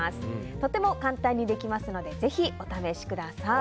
とても簡単にできますのでぜひお試しください。